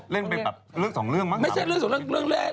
เล่นไปแบบเลือกสองเรื่องมั้ง